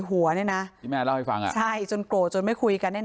หัวเนี่ยนะที่แม่เล่าให้ฟังใช่จนโกรธจนไม่คุยกัน